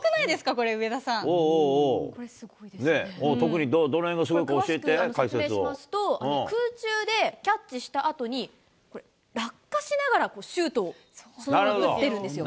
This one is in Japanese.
これ、上田さ特にどのへんがすごいか教え空中でキャッチしたあとに、これ、落下しながらシュートをそのまま打ってるんですよ。